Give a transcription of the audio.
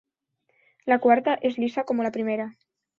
La cuarta es lisa como la primera.